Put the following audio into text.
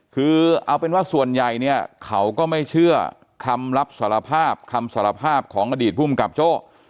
คือเอาเป็นว่าส่วนใหญ่เนี่ยเขาก็ไม่เชื่อคำรับสารภาพคำสารภาพของอดีตภูมิกับโจ้